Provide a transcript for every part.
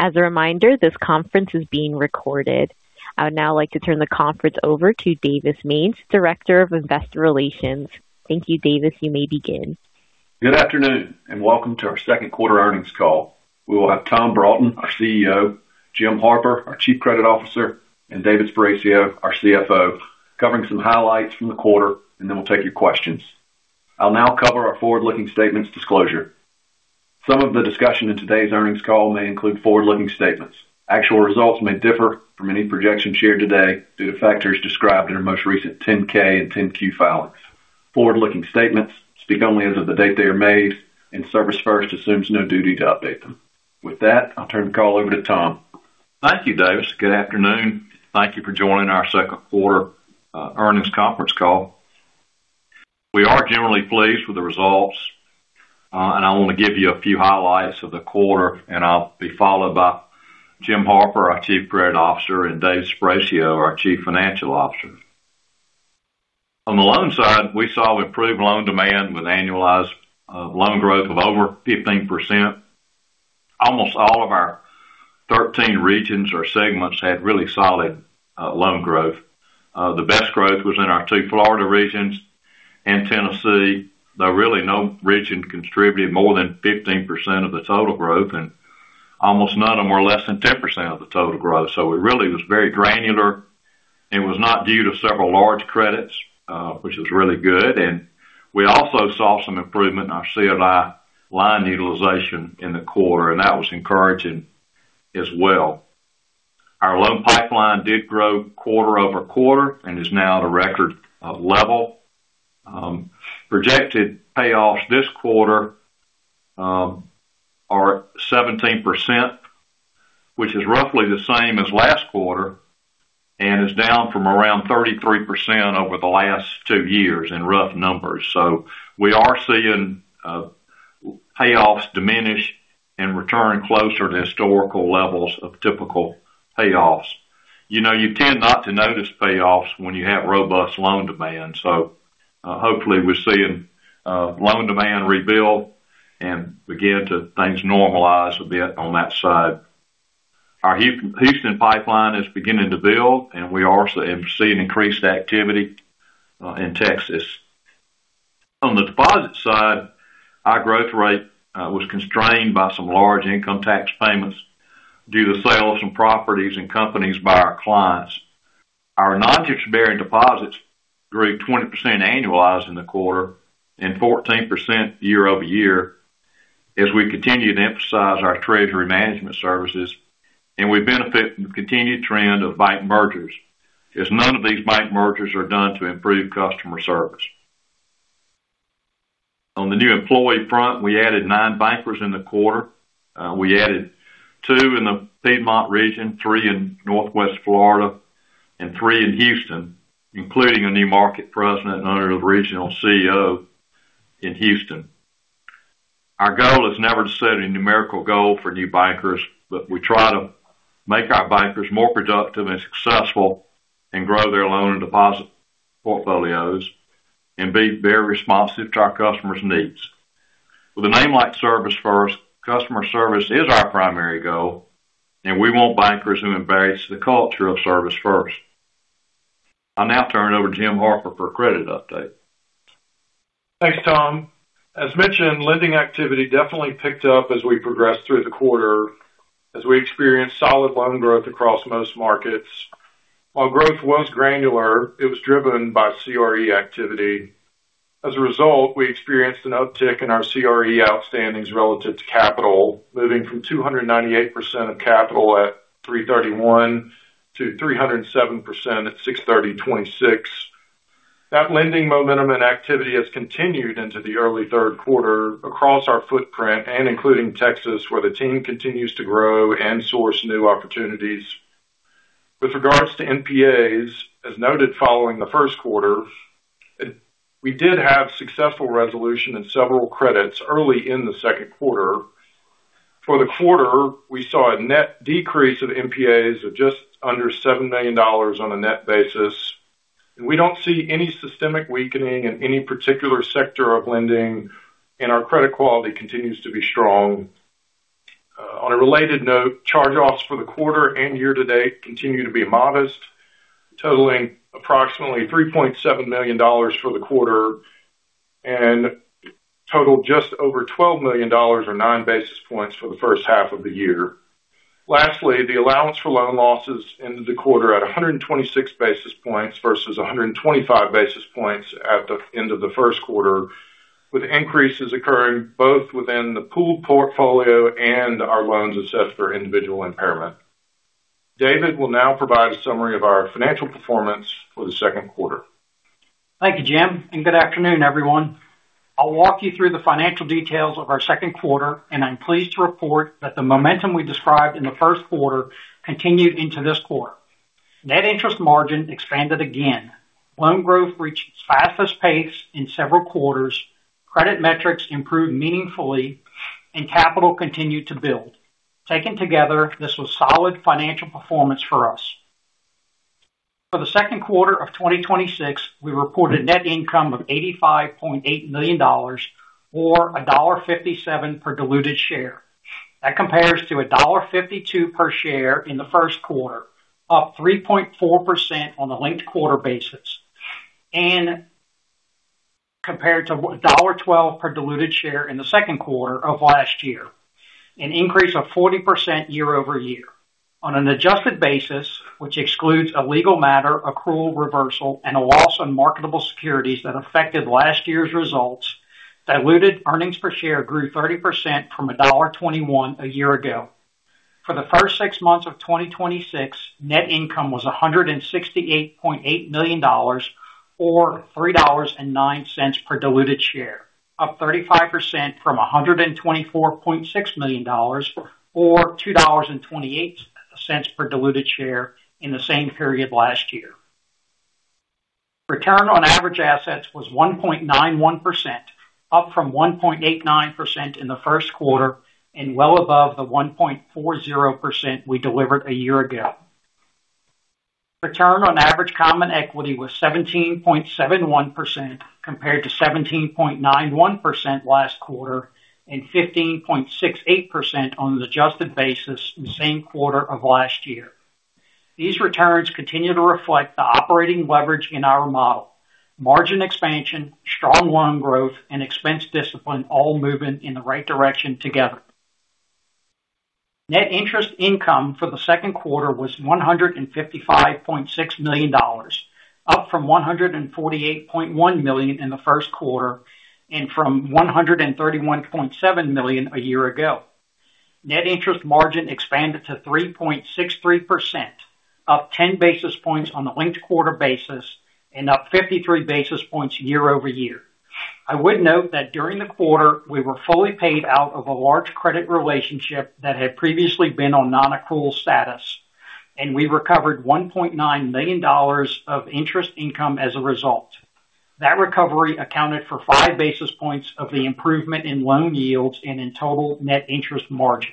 As a reminder, this conference is being recorded. I would now like to turn the conference over to Davis Mange, Director of Investor Relations. Thank you, Davis. You may begin. Good afternoon, welcome to our second quarter earnings call. We will have Tom Broughton, our CEO, Jim Harper, our Chief Credit Officer, and David Sparacio, our CFO, covering some highlights from the quarter, and then we'll take your questions. I'll now cover our forward-looking statements disclosure. Some of the discussion in today's earnings call may include forward-looking statements. Actual results may differ from any projections shared today due to factors described in our most recent 10-K and 10-Q filings. Forward-looking statements speak only as of the date they are made, and ServisFirst assumes no duty to update them. With that, I'll turn the call over to Tom. Thank you, Davis. Good afternoon. Thank you for joining our second quarter earnings conference call. We are generally pleased with the results. I want to give you a few highlights of the quarter, and I'll be followed by Jim Harper, our Chief Credit Officer, and David Sparacio, our Chief Financial Officer. On the loan side, we saw improved loan demand with annualized loan growth of over 15%. Almost all of our 13 regions or segments had really solid loan growth. The best growth was in our two Florida regions and Tennessee. Though really no region contributed more than 15% of the total growth, and almost none of them were less than 10% of the total growth. It really was very granular, and was not due to several large credits, which was really good. We also saw some improvement in our C&I line utilization in the quarter, and that was encouraging as well. Our loan pipeline did grow quarter-over-quarter and is now at a record level. Projected payoffs this quarter are 17%, which is roughly the same as last quarter, and is down from around 33% over the last two years in rough numbers. We are seeing payoffs diminish and return closer to historical levels of typical payoffs. You tend not to notice payoffs when you have robust loan demand. Hopefully, we're seeing loan demand rebuild and begin to, things normalize a bit on that side. Our Houston pipeline is beginning to build, and we also have seen increased activity in Texas. On the deposit side, our growth rate was constrained by some large income tax payments due to sales from properties and companies by our clients. Our non-interest-bearing deposits grew 20% annualized in the quarter and 14% year-over-year as we continue to emphasize our treasury management services. We benefit from the continued trend of bank mergers, as none of these bank mergers are done to improve customer service. On the new employee front, we added nine bankers in the quarter. We added two in the Piedmont region, three in Northwest Florida. Three in Houston, including a new market president and regional CEO in Houston. Our goal is never to set a numerical goal for new bankers. We try to make our bankers more productive and successful and grow their loan and deposit portfolios and be very responsive to our customers' needs. With a name like ServisFirst, customer service is our primary goal. We want bankers who embrace the culture of ServisFirst. I'll now turn it over to Jim Harper for a credit update. Thanks, Tom. As mentioned, lending activity definitely picked up as we progressed through the quarter as we experienced solid loan growth across most markets. While growth was granular, it was driven by CRE activity. As a result, we experienced an uptick in our CRE outstandings relative to capital, moving from 298% of capital at 331 to 307% at 630 2026. That lending momentum and activity has continued into the early third quarter across our footprint and including Texas, where the team continues to grow and source new opportunities. With regards to NPAs, as noted following the first quarter, we did have successful resolution in several credits early in the second quarter. For the quarter, we saw a net decrease of NPAs of just under $7 million on a net basis. We don't see any systemic weakening in any particular sector of lending. Our credit quality continues to be strong. On a related note, charge-offs for the quarter and year-to-date continue to be modest, totaling approximately $3.7 million for the quarter. Totaled just over $12 million or 9 basis points for the first half of the year. Lastly, the allowance for loan losses ended the quarter at 126 basis points versus 125 basis points at the end of the first quarter, with increases occurring both within the pooled portfolio and our loans assessed for individual impairment. David will now provide a summary of our financial performance for the second quarter. Thank you, Jim. Good afternoon, everyone. I'll walk you through the financial details of our second quarter. I'm pleased to report that the momentum we described in the first quarter continued into this quarter. Net interest margin expanded again. Loan growth reached its fastest pace in several quarters. Credit metrics improved meaningfully, and capital continued to build. Taken together, this was solid financial performance for us. For the second quarter of 2026, we reported net income of $85.8 million, or $1.57 per diluted share. That compares to $1.52 per share in the first quarter, up 3.4% on a linked-quarter basis, compared to $1.12 per diluted share in the second quarter of last year, an increase of 40% year-over-year. On an adjusted basis, which excludes a legal matter, accrual reversal, and a loss on marketable securities that affected last year's results, diluted earnings per share grew 30% from $1.21 a year ago. For the first six months of 2026, net income was $168.8 million, or $3.09 per diluted share, up 35% from $124.6 million, or $2.28 per diluted share in the same period last year. Return on average assets was 1.91%, up from 1.89% in the first quarter, well above the 1.40% we delivered a year ago. Return on average common equity was 17.71%, compared to 17.91% last quarter 15.68% on an adjusted basis in the same quarter of last year. These returns continue to reflect the operating leverage in our model. Margin expansion, strong loan growth, expense discipline all moving in the right direction together. Net interest income for the second quarter was $155.6 million, up from $148.1 million in the first quarter, from $131.7 million a year ago. Net interest margin expanded to 3.63%, up 10 basis points on the linked-quarter basis, up 53 basis points year-over-year. I would note that during the quarter, we were fully paid out of a large credit relationship that had previously been on non-accrual status. We recovered $1.9 million of interest income as a result. That recovery accounted for five basis points of the improvement in loan yields in total net interest margin.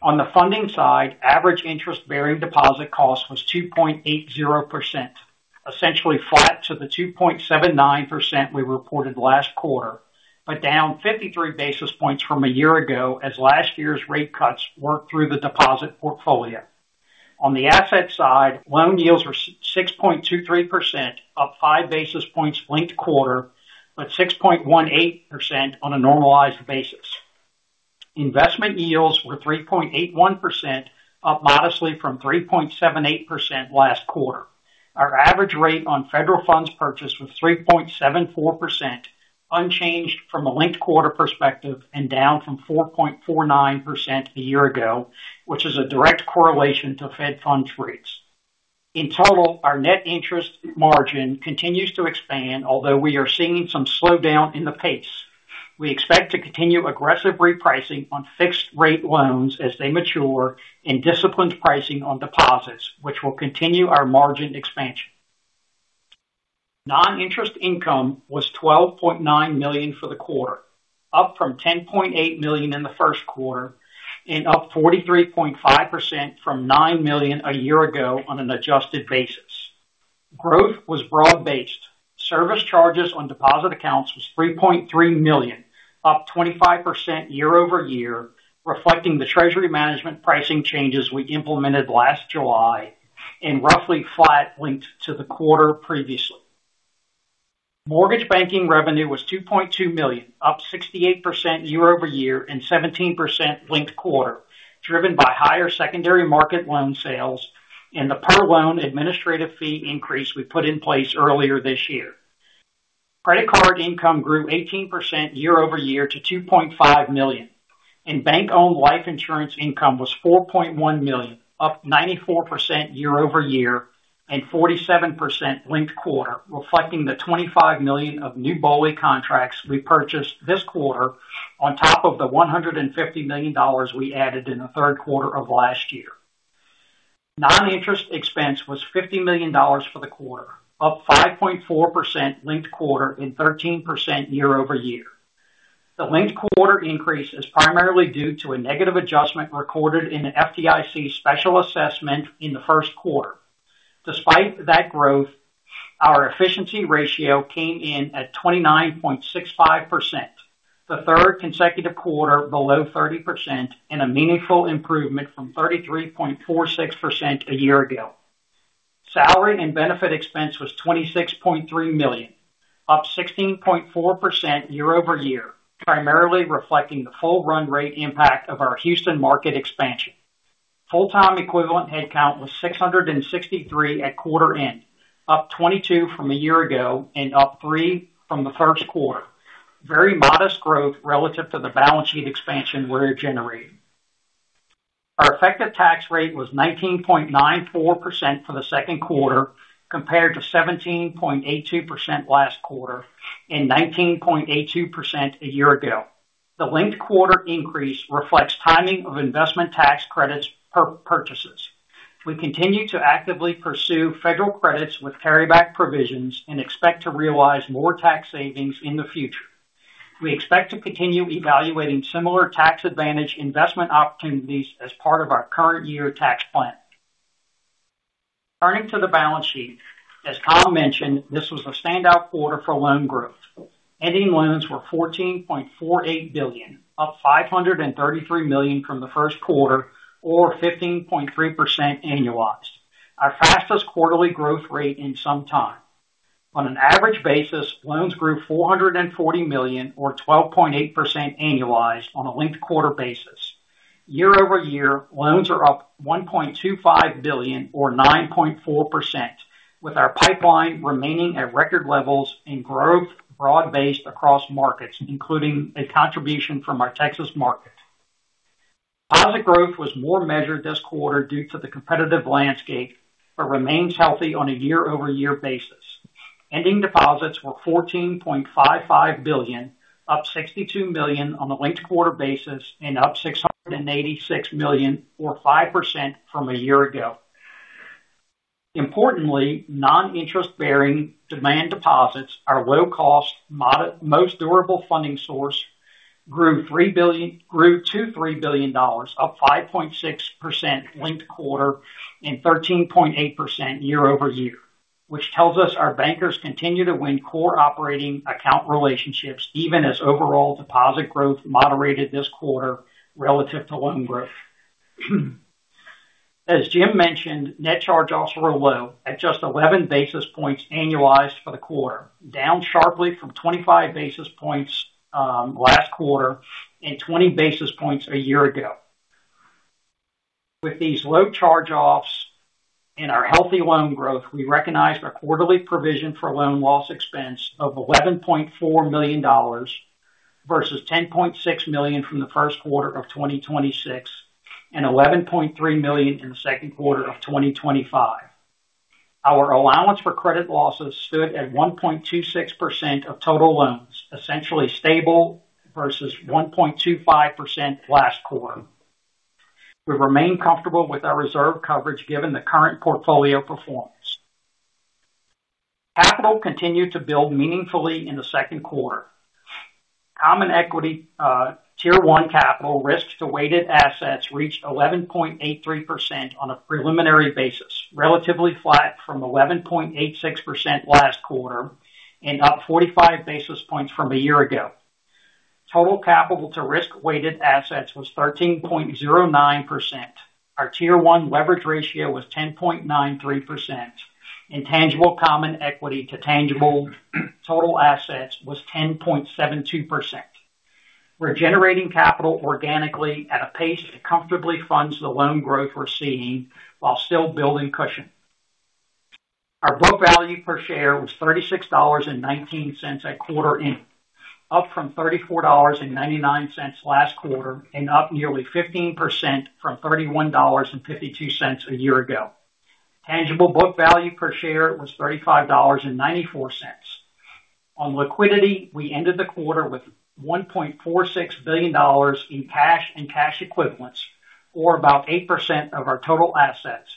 On the funding side, average interest bearing deposit cost was 2.80%, essentially flat to the 2.79% we reported last quarter, down 53 basis points from a year ago as last year's rate cuts worked through the deposit portfolio. On the asset side, loan yields were 6.23%, up five basis points linked-quarter, 6.18% on a normalized basis. Investment yields were 3.81%, up modestly from 3.78% last quarter. Our average rate on federal funds purchased was 3.74%, unchanged from a linked-quarter perspective down from 4.49% a year ago, which is a direct correlation to Fed funds rates. In total, our net interest margin continues to expand, although we are seeing some slowdown in the pace. We expect to continue aggressive repricing on fixed-rate loans as they mature and disciplined pricing on deposits, which will continue our margin expansion. Non-interest income was $12.9 million for the quarter, up from $10.8 million in the first quarter and up 43.5% from $9 million a year ago on an adjusted basis. Growth was broad-based. Service charges on deposit accounts was $3.3 million, up 25% year-over-year, reflecting the treasury management pricing changes we implemented last July, and roughly flat linked-quarter to the quarter previously. Mortgage banking revenue was $2.2 million, up 68% year-over-year and 17% linked-quarter, driven by higher secondary market loan sales and the per loan administrative fee increase we put in place earlier this year. Credit card income grew 18% year-over-year to $2.5 million, and bank-owned life insurance income was $4.1 million, up 94% year-over-year and 47% linked-quarter, reflecting the $25 million of new BOLI contracts we purchased this quarter on top of the $150 million we added in the third quarter of last year. Non-interest expense was $50 million for the quarter, up 5.4% linked-quarter and 13% year-over-year. The linked-quarter increase is primarily due to a negative adjustment recorded in the FDIC special assessment in the first quarter. Despite that growth, our efficiency ratio came in at 29.65%, the third consecutive quarter below 30% and a meaningful improvement from 33.46% a year ago. Salary and benefit expense was $26.3 million, up 16.4% year-over-year, primarily reflecting the full run rate impact of our Houston market expansion. Full-time equivalent headcount was 663 at quarter end, up 22 from a year ago and up three from the first quarter. Very modest growth relative to the balance sheet expansion we're generating. Our effective tax rate was 19.94% for the second quarter, compared to 17.82% last quarter and 19.82% a year ago. The linked-quarter increase reflects timing of investment tax credits purchases. We continue to actively pursue federal credits with carryback provisions and expect to realize more tax savings in the future. We expect to continue evaluating similar tax advantage investment opportunities as part of our current year tax plan. Turning to the balance sheet, as Tom mentioned, this was a standout quarter for loan growth. Ending loans were $14.48 billion, up $533 million from the first quarter or 15.3% annualized. Our fastest quarterly growth rate in some time. On an average basis, loans grew $440 million or 12.8% annualized on a linked-quarter basis. Year-over-year, loans are up $1.25 billion or 9.4%, with our pipeline remaining at record levels and growth broad-based across markets, including a contribution from our Texas market. Deposit growth was more measured this quarter due to the competitive landscape, but remains healthy on a year-over-year basis. Ending deposits were $14.55 billion, up $62 million on a linked-quarter basis and up $686 million or 5% from a year ago. Importantly, non-interest-bearing demand deposits are low-cost, most durable funding source grew to $3 billion, up 5.6% linked-quarter and 13.8% year-over-year. Which tells us our bankers continue to win core operating account relationships even as overall deposit growth moderated this quarter relative to loan growth. As Jim mentioned, net charge-offs were low at just 11 basis points annualized for the quarter, down sharply from 25 basis points last quarter and 20 basis points a year ago. With these low charge-offs and our healthy loan growth, we recognized a quarterly provision for loan loss expense of $11.4 million versus $10.6 million from the first quarter of 2026 and $11.3 million in the second quarter of 2025. Our allowance for credit losses stood at 1.26% of total loans, essentially stable versus 1.25% last quarter. We remain comfortable with our reserve coverage given the current portfolio performance. Capital continued to build meaningfully in the second quarter. Common Equity Tier 1 capital risk to weighted assets reached 11.83% on a preliminary basis, relatively flat from 11.86% last quarter and up 45 basis points from a year ago. Total capital to risk weighted assets was 13.09%. Our Tier 1 leverage ratio was 10.93%, and tangible common equity to tangible total assets was 10.72%. We're generating capital organically at a pace that comfortably funds the loan growth we're seeing while still building cushion. Our book value per share was $36.19 at quarter end, up from $34.99 last quarter and up nearly 15% from $31.52 a year ago. Tangible book value per share was $35.94. On liquidity, we ended the quarter with $1.46 billion in cash and cash equivalents, or about 8% of our total assets.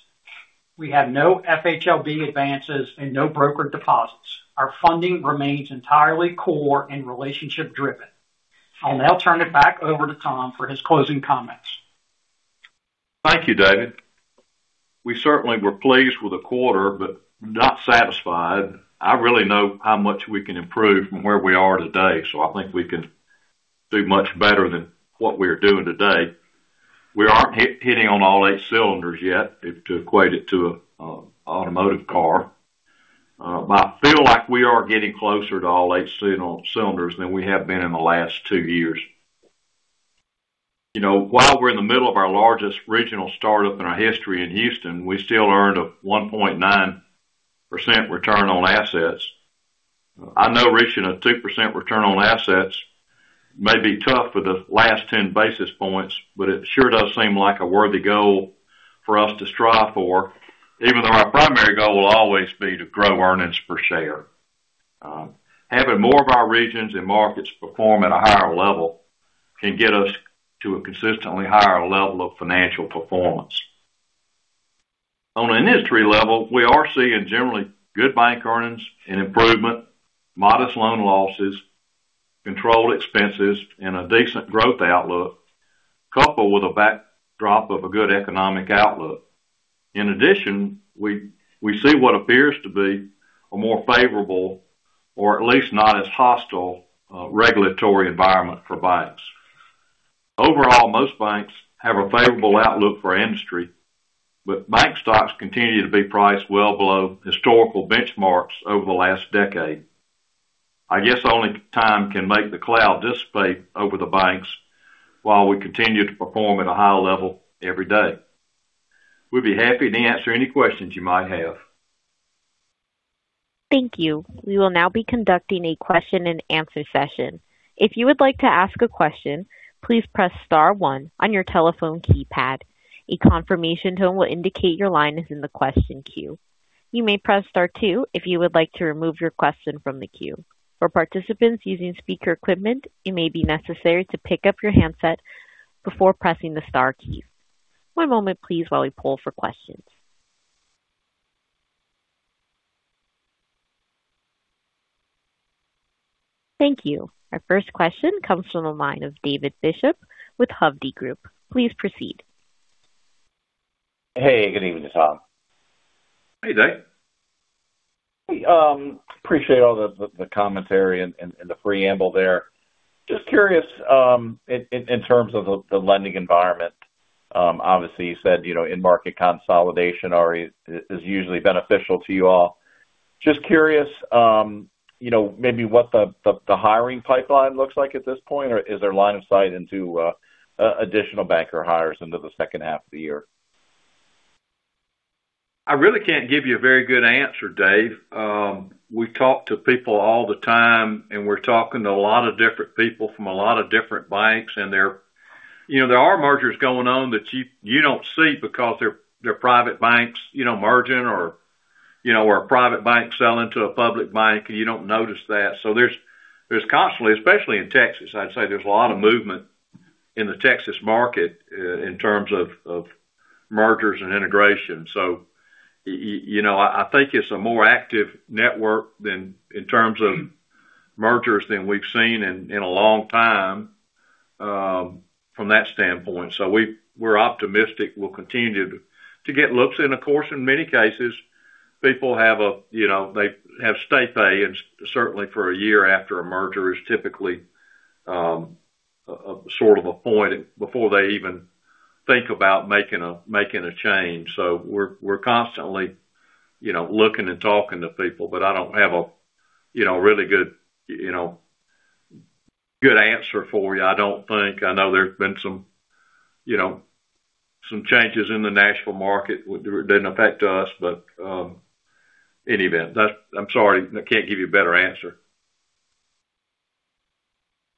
We have no FHLB advances and no brokered deposits. Our funding remains entirely core and relationship driven. I'll now turn it back over to Tom for his closing comments. Thank you, David. We certainly were pleased with the quarter, not satisfied. I really know how much we can improve from where we are today, I think we can do much better than what we are doing today. We aren't hitting on all eight cylinders yet to equate it to an automotive car. I feel like we are getting closer to all eight cylinders than we have been in the last two years. While we're in the middle of our largest regional startup in our history in Houston, we still earned a 1.9% return on assets. I know reaching a 2% return on assets may be tough for the last 10 basis points, it sure does seem like a worthy goal for us to strive for, even though our primary goal will always be to grow earnings per share. Having more of our regions and markets perform at a higher level can get us to a consistently higher level of financial performance. On an industry level, we are seeing generally good bank earnings and improvement, modest loan losses, controlled expenses, and a decent growth outlook, coupled with a backdrop of a good economic outlook. In addition, we see what appears to be a more favorable or at least not as hostile regulatory environment for banks. Overall, most banks have a favorable outlook for industry, bank stocks continue to be priced well below historical benchmarks over the last decade. I guess only time can make the cloud dissipate over the banks while we continue to perform at a high level every day. We'd be happy to answer any questions you might have. Thank you. We will now be conducting a question and answer session. If you would like to ask a question, please press star one on your telephone keypad. A confirmation tone will indicate your line is in the question queue. You may press star two if you would like to remove your question from the queue. For participants using speaker equipment, it may be necessary to pick up your handset before pressing the star key. One moment please while we pull for questions. Thank you. Our first question comes from the line of David Bishop with Hovde Group. Please proceed. Hey, good evening, Tom. Hey, David. Hey, appreciate all the commentary and the preamble there. Just curious, in terms of the lending environment, obviously, you said in-market consolidation is usually beneficial to you all. Just curious, maybe what the hiring pipeline looks like at this point, or is there line of sight into additional banker hires into the second half of the year? I really can't give you a very good answer, David. We talk to people all the time, we're talking to a lot of different people from a lot of different banks. There are mergers going on that you don't see because they're private banks merging, or a private bank selling to a public bank, and you don't notice that. There's constantly, especially in Texas, I'd say there's a lot of movement in the Texas market in terms of mergers and integration. I think it's a more active network in terms of mergers than we've seen in a long time from that standpoint. We're optimistic we'll continue to get looks, and of course, in many cases, people have stay bonus, and certainly for a year after a merger is typically sort of a point before they even think about making a change. We're constantly looking and talking to people, I don't have a really good answer for you, I don't think. I know there's been some changes in the national market. It didn't affect us, in any event, I'm sorry, I can't give you a better answer.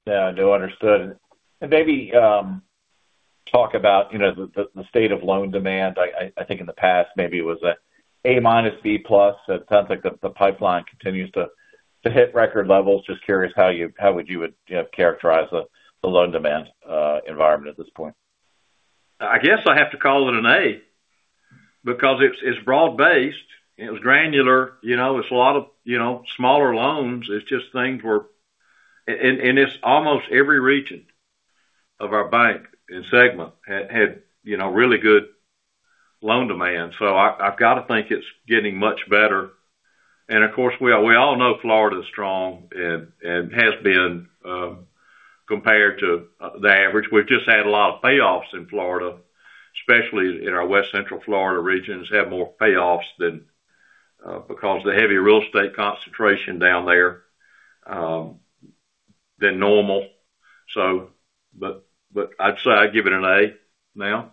Yeah, no, understood. Maybe talk about the state of loan demand. I think in the past, maybe it was a A minus, B plus. It sounds like the pipeline continues to hit record levels. Just curious how would you characterize the loan demand environment at this point? I guess I have to call it an A, because it's broad-based, it was granular. It's a lot of smaller loans. It's just almost every region of our bank and segment had really good loan demand. I've got to think it's getting much better. Of course, we all know Florida is strong and has been, compared to the average. We've just had a lot of payoffs in Florida, especially in our West Central Florida regions, have more payoffs because the heavy real estate concentration down there than normal. I'd say I'd give it an A now.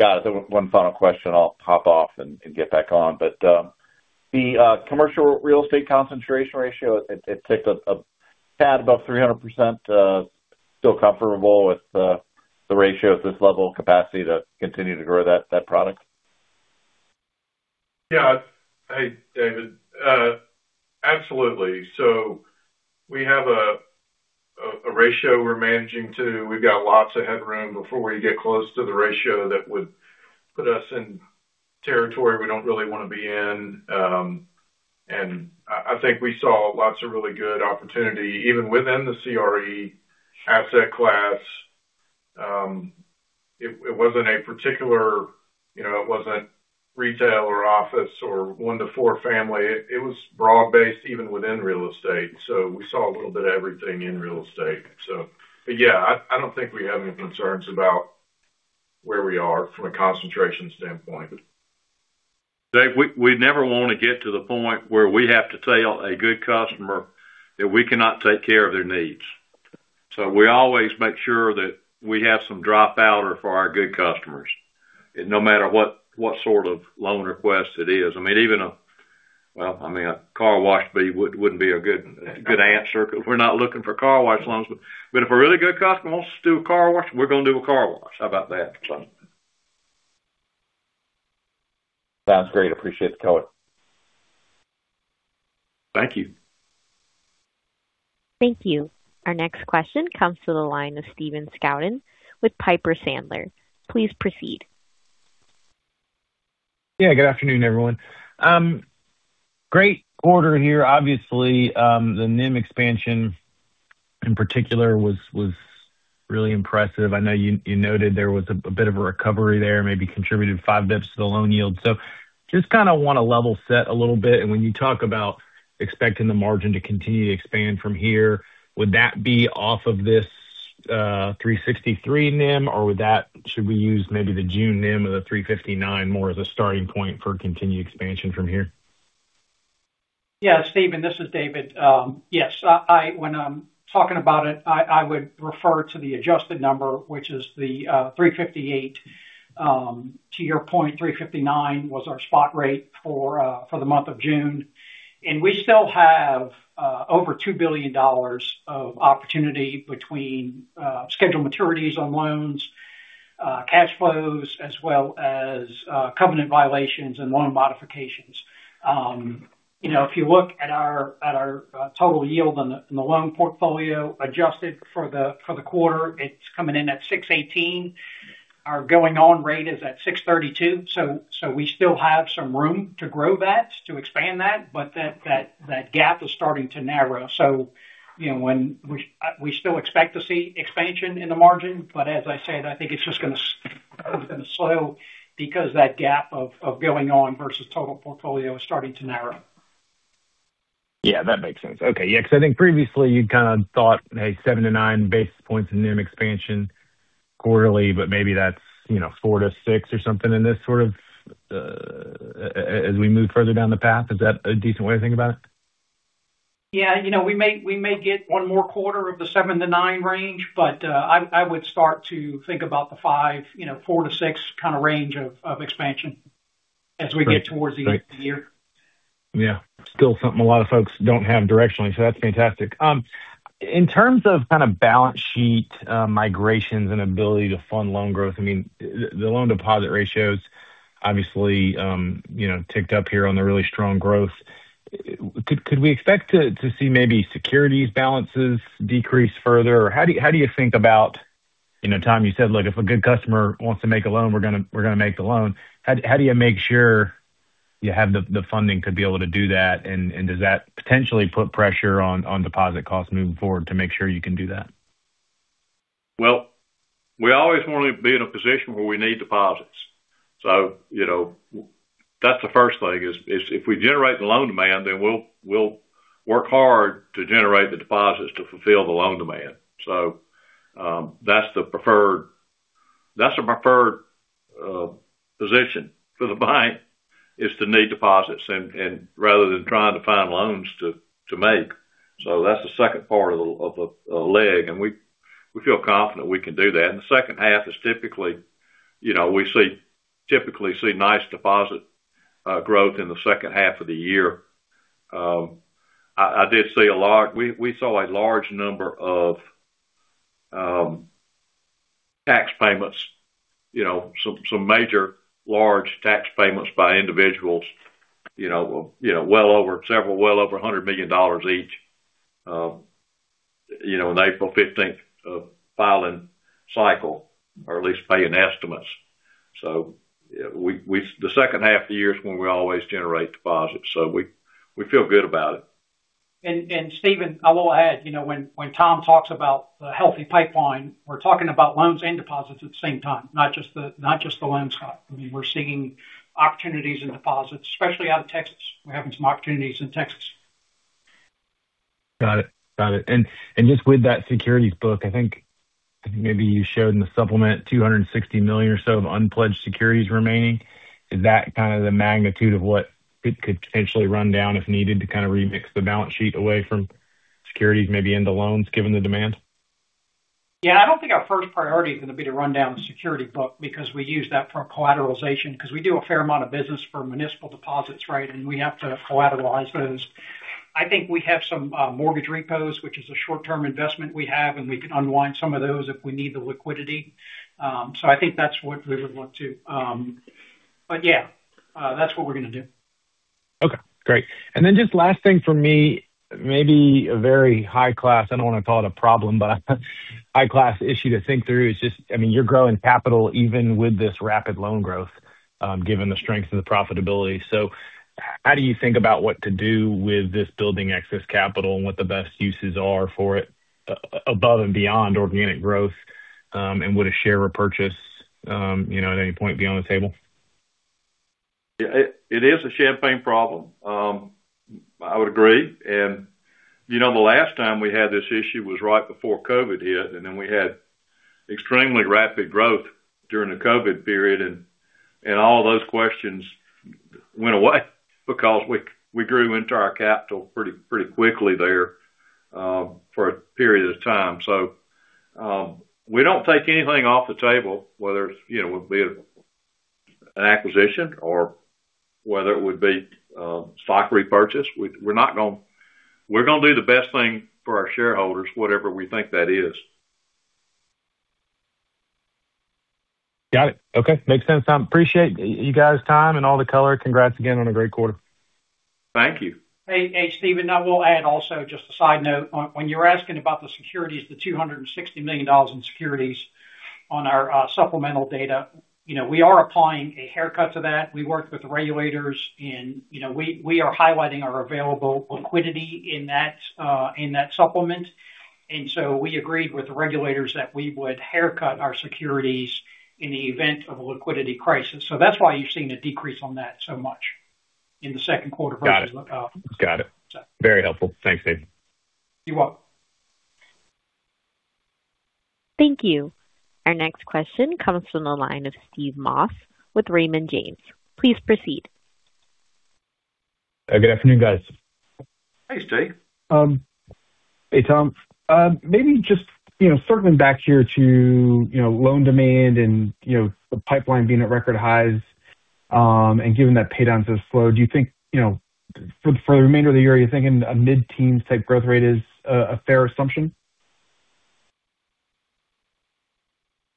Got it. One final question, I'll hop off and get back on. The commercial real estate concentration ratio, it ticked a tad above 300%. Still comfortable with the ratio at this level of capacity to continue to grow that product? Yeah. Hey, David. Absolutely. We have a ratio we're managing to. We've got lots of headroom before we get close to the ratio that would put us in territory we don't really want to be in. I think we saw lots of really good opportunity, even within the CRE asset class. It wasn't a particular retail or office or one to four family. It was broad-based, even within real estate. We saw a little bit of everything in real estate. Yeah, I don't think we have any concerns about where we are from a concentration standpoint. David, we never want to get to the point where we have to tell a good customer that we cannot take care of their needs. We always make sure that we have some dry powder for our good customers, no matter what sort of loan request it is. Even a, well, a car wash wouldn't be a good answer because we're not looking for car wash loans. If a really good customer wants us to do a car wash, we're going to do a car wash. How about that? Sounds great. Appreciate the color. Thank you. Thank you. Our next question comes to the line of Stephen Scouten with Piper Sandler. Please proceed. Yeah, good afternoon, everyone. Great quarter here. Obviously, the NIM expansion, in particular, was really impressive. I know you noted there was a bit of a recovery there, maybe contributed five basis points to the loan yield. Just kind of want to level set a little bit. When you talk about expecting the margin to continue to expand from here, would that be off of this 363 NIM, or should we use maybe the June NIM of the 359 more as a starting point for continued expansion from here? Yeah, Stephen, this is David. Yes, when I'm talking about it, I would refer to the adjusted number, which is the 358. To your point, 359 was our spot rate for the month of June. We still have over $2 billion of opportunity between scheduled maturities on loans, cash flows, as well as covenant violations and loan modifications. If you look at our total yield on the loan portfolio adjusted for the quarter, it's coming in at 618. Our going on rate is at 632, so we still have some room to grow that, to expand that, but that gap is starting to narrow. We still expect to see expansion in the margin, but as I said, I think it's just going to slow because that gap of going on versus total portfolio is starting to narrow. That makes sense. Okay. I think previously you kind of thought, hey, 7 to 9 basis points in NIM expansion quarterly, but maybe that's 4 to 6 or something in this sort of, as we move further down the path. Is that a decent way to think about it? We may get one more quarter of the 7 to 9 range, but I would start to think about the 5, 4 to 6 kind of range of expansion as we get towards the end of the year. Still something a lot of folks don't have directionally, that's fantastic. In terms of kind of balance sheet migrations and ability to fund loan growth, I mean, the loan deposit ratios obviously ticked up here on the really strong growth. Could we expect to see maybe securities balances decrease further? Or how do you think about, Tom, you said, look, if a good customer wants to make a loan, we're going to make the loan. How do you make sure you have the funding to be able to do that, and does that potentially put pressure on deposit costs moving forward to make sure you can do that? Well, we always want to be in a position where we need deposits. That's the first thing is if we generate the loan demand, we'll work hard to generate the deposits to fulfill the loan demand. That's the preferred position for the bank is to need deposits and rather than trying to find loans to make. That's the second part of the leg, and we feel confident we can do that. The second half is typically, we typically see nice deposit growth in the second half of the year. We saw a large number of tax payments, some major large tax payments by individuals, several well over $100 million each, in April 15th filing cycle, or at least paying estimates. The second half of the year is when we always generate deposits, we feel good about it. Stephen, I will add, when Tom talks about the healthy pipeline, we're talking about loans and deposits at the same time, not just the loans side. I mean, we're seeing opportunities in deposits, especially out of Texas. We're having some opportunities in Texas. Got it. Just with that securities book, I think maybe you showed in the supplement $260 million or so of unpledged securities remaining. Is that kind of the magnitude of what could potentially run down if needed to kind of remix the balance sheet away from securities, maybe into loans, given the demand? Yeah, I don't think our first priority is going to be to run down the security book because we use that for collateralization, because we do a fair amount of business for municipal deposits, right? We have to collateralize those. I think we have some mortgage repos, which is a short-term investment we have, and we can unwind some of those if we need the liquidity. I think that's what we would look to. Yeah, that's what we're going to do. Okay, great. Just last thing from me, maybe a very high class, I don't want to call it a problem, but high class issue to think through is just, I mean, you're growing capital even with this rapid loan growth, given the strength of the profitability. How do you think about what to do with this building excess capital and what the best uses are for it above and beyond organic growth? Would a share repurchase at any point be on the table? It is a champagne problem. I would agree. The last time we had this issue was right before COVID hit, and then we had extremely rapid growth during the COVID period, and all those questions went away because we grew into our capital pretty quickly there for a period of time. We don't take anything off the table, whether it would be an acquisition or whether it would be stock repurchase. We're going to do the best thing for our shareholders, whatever we think that is. Got it. Okay. Makes sense, Tom. Appreciate you guys' time and all the color. Congrats again on a great quarter. Thank you. Hey, Stephen, I will add also just a side note. When you were asking about the securities, the $260 million in securities on our supplemental data, we are applying a haircut to that. We worked with regulators, and we are highlighting our available liquidity in that supplement. We agreed with the regulators that we would haircut our securities in the event of a liquidity crisis. That's why you've seen a decrease on that so much in the second quarter versus. Got it. Got it. Very helpful. Thanks, David. You're welcome. Thank you. Our next question comes from the line of Steve Moss with Raymond James. Please proceed. Good afternoon, guys. Hey, Steve. Hey, Tom. Maybe just circling back here to loan demand and the pipeline being at record highs, given that paydowns have slowed, for the remainder of the year, are you thinking a mid-teens type growth rate is a fair assumption?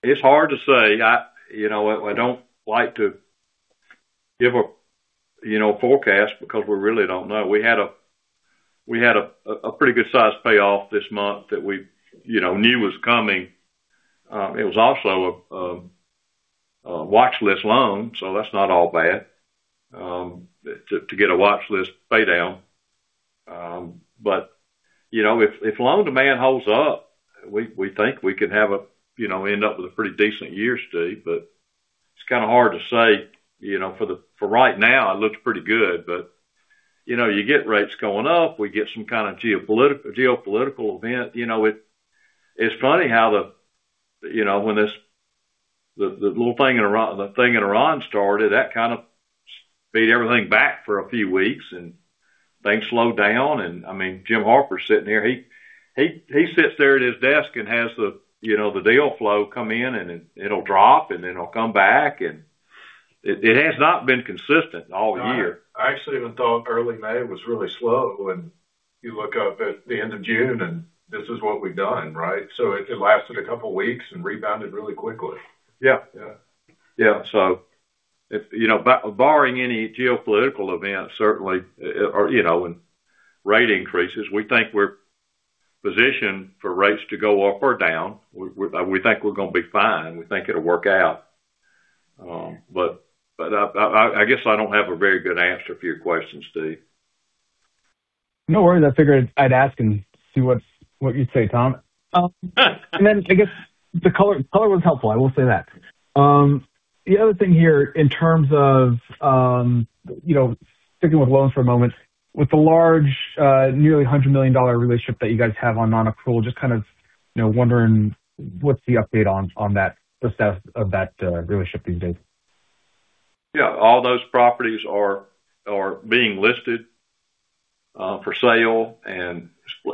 It's hard to say. I don't like to give a forecast because we really don't know. We had a pretty good size payoff this month that we knew was coming. It was also a watchlist loan, so that's not all bad, to get a watchlist pay down. If loan demand holds up, we think we can end up with a pretty decent year, Steve, but it's kind of hard to say. For right now, it looks pretty good, but you get rates going up, we get some kind of geopolitical event. It's funny how the thing in Iran started, that kind of beat everything back for a few weeks, and things slowed down. Jim Harper's sitting here, he sits there at his desk and has the deal flow come in, and it'll drop, and then it'll come back, and it has not been consistent all year. I actually even thought early May was really slow. You look up at the end of June, and this is what we've done, right? It lasted a couple of weeks and rebounded really quickly. Yeah. Yeah. Yeah. Barring any geopolitical events, certainly, and rate increases, we think we're positioned for rates to go up or down. We think we're going to be fine. We think it'll work out. I guess I don't have a very good answer for your questions, Steve. No worries. I figured I'd ask and see what you'd say, Tom. I guess the color was helpful, I will say that. The other thing here in terms of sticking with loans for a moment, with the large, nearly $100 million relationship that you guys have on nonaccrual, just kind of wondering what's the update on the status of that relationship these days? Yeah. All those properties are being listed for sale.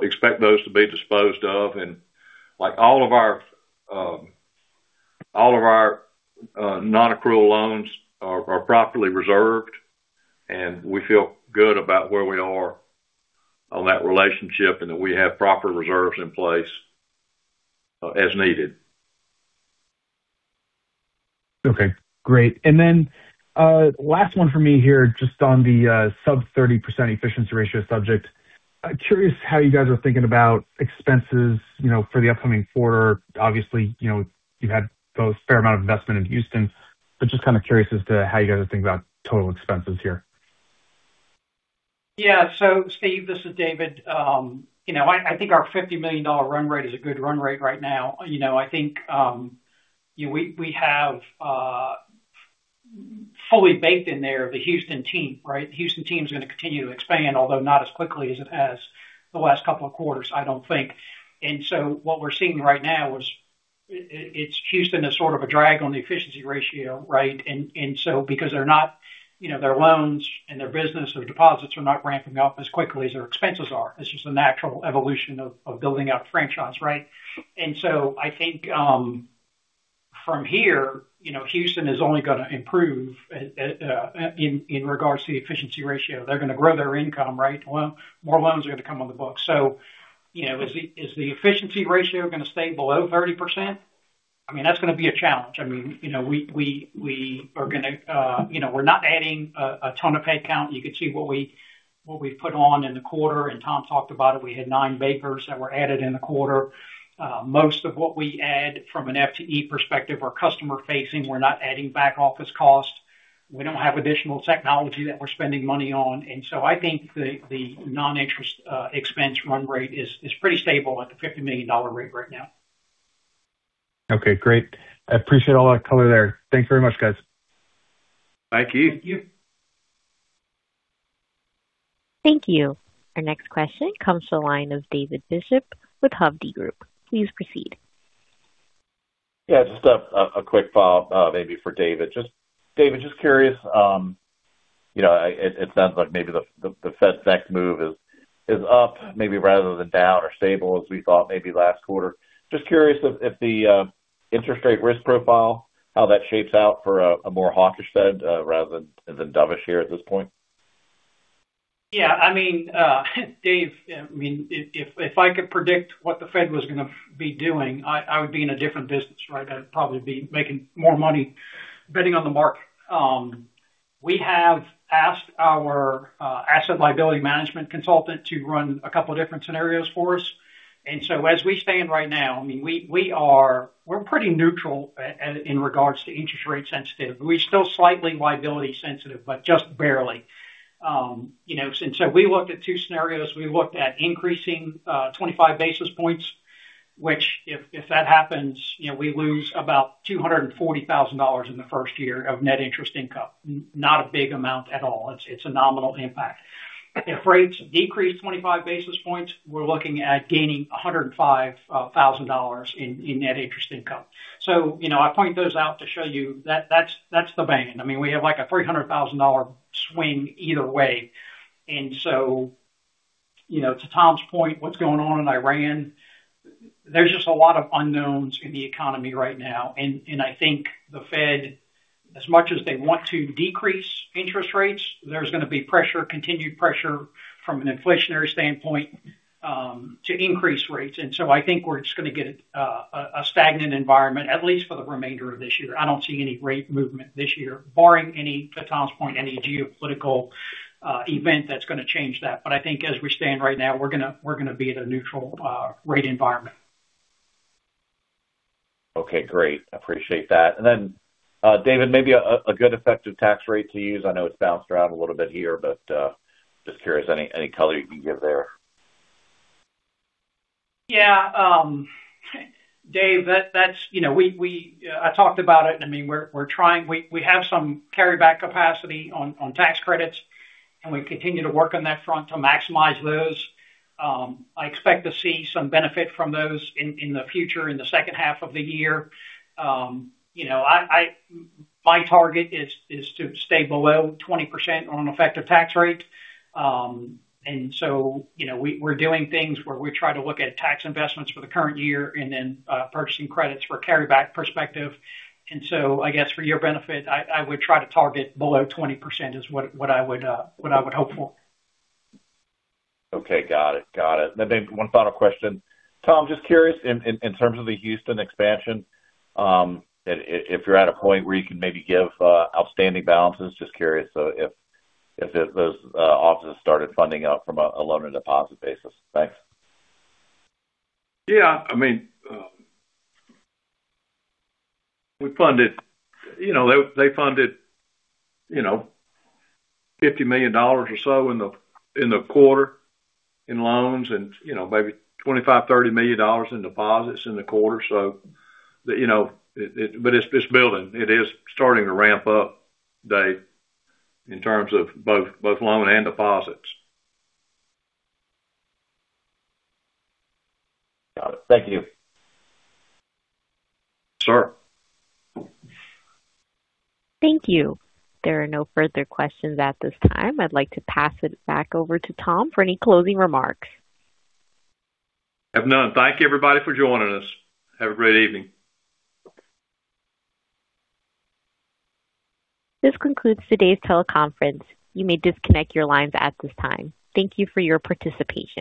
Expect those to be disposed of. All of our nonaccrual loans are properly reserved. We feel good about where we are on that relationship and that we have proper reserves in place as needed. Okay, great. Last one for me here, just on the sub 30% efficiency ratio subject. Curious how you guys are thinking about expenses for the upcoming quarter. Obviously, you've had a fair amount of investment in Houston, just kind of curious as to how you guys are thinking about total expenses here. So Steve, this is David. I think our $50 million run rate is a good run rate right now. I think we have fully baked in there the Houston team, right? The Houston team's going to continue to expand, although not as quickly as it has the last couple of quarters, I don't think. What we're seeing right now is Houston is sort of a drag on the efficiency ratio, right? Because their loans and their business or deposits are not ramping up as quickly as their expenses are. It's just a natural evolution of building out the franchise, right? I think from here, Houston is only going to improve in regards to the efficiency ratio. They're going to grow their income, right? More loans are going to come on the books. Is the efficiency ratio going to stay below 30%? That's going to be a challenge. We're not adding a ton of head count. You could see what we put on in the quarter. Tom talked about it. We had nine bankers that were added in the quarter. Most of what we add from an FTE perspective are customer facing. We're not adding back office costs. We don't have additional technology that we're spending money on. I think the non-interest expense run rate is pretty stable at the $50 million rate right now. Okay, great. I appreciate all that color there. Thank you very much, guys. Thank you. Thank you. Thank you. Our next question comes to the line of David Bishop with Hovde Group. Please proceed. Yeah, just a quick follow-up maybe for David. David, just curious, it sounds like maybe the Fed's next move is up maybe rather than down or stable as we thought maybe last quarter. Just curious if the interest rate risk profile, how that shapes out for a more hawkish Fed rather than dovish here at this point. Yeah. Dave, if I could predict what the Fed was going to be doing, I would be in a different business, right? I'd probably be making more money betting on the market. We have asked our asset liability management consultant to run a couple of different scenarios for us. As we stand right now, we're pretty neutral in regards to interest rate sensitive. We're still slightly liability sensitive, but just barely. We looked at two scenarios. We looked at increasing 25 basis points, which if that happens, we lose about $240,000 in the first year of net interest income. Not a big amount at all. It's a nominal impact. If rates decrease 25 basis points, we're looking at gaining $105,000 in net interest income. I point those out to show you that's the band. We have like a $300,000 swing either way. To Tom's point, what's going on in Iran, there's just a lot of unknowns in the economy right now, and I think the Fed as much as they want to decrease interest rates, there's going to be continued pressure from an inflationary standpoint to increase rates. I think we're just going to get a stagnant environment, at least for the remainder of this year. I don't see any rate movement this year, barring any, to Tom's point, any geopolitical event that's going to change that. I think as we stand right now, we're going to be at a neutral rate environment. Okay, great. Appreciate that. David, maybe a good effective tax rate to use. I know it's bounced around a little bit here, but just curious, any color you can give there? Yeah, Dave, I talked about it. We have some carryback capacity on tax credits, we continue to work on that front to maximize those. I expect to see some benefit from those in the future, in the second half of the year. My target is to stay below 20% on effective tax rate. We're doing things where we try to look at tax investments for the current year and then purchasing credits for a carryback perspective. I guess for your benefit, I would try to target below 20% is what I would hope for. Okay. Got it. One final question. Tom, just curious in terms of the Houston expansion, if you're at a point where you can maybe give outstanding balances, just curious if those offices started funding out from a loan and deposit basis. Thanks. Yeah. They funded $50 million or so in the quarter in loans and maybe $25 million-$30 million in deposits in the quarter. It's building. It is starting to ramp up, David, in terms of both loan and deposits. Got it. Thank you. Sure. Thank you. There are no further questions at this time. I'd like to pass it back over to Tom for any closing remarks. Have none. Thank you everybody for joining us. Have a great evening. This concludes today's teleconference. You may disconnect your lines at this time. Thank you for your participation.